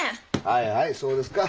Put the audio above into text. はいはいそうですか。